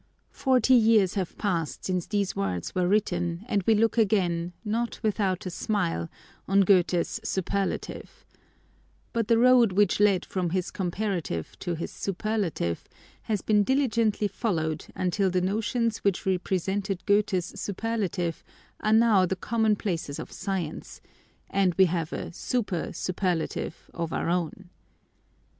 ” Forty years have passed since these words were written, and we look again, “ not without a smile,” on Goethe’s superlative. But the road which led from his comparative to his superlative, has been diligently Nov. 4, 1869 | NATURE If followed, until the notions which represented Goethe’s superlative are now the commonplaces of science— and we have a super superlative of our own.